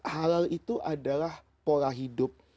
halal itu adalah pola hidup